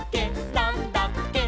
なんだっけ？！」